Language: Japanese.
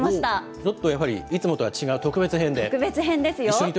ちょっとやはりいつもとは違う特別編で。